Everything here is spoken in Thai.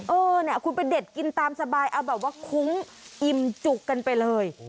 เออเนี่ยคุณไปเด็ดกินตามสบายเอาแบบว่าคุ้มอิ่มจุกกันไปเลย